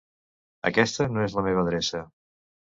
Aquesta no és la meva adreça.